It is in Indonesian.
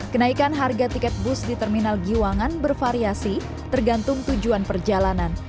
kenaikan harga tiket bus di terminal giwangan bervariasi tergantung tujuan perjalanan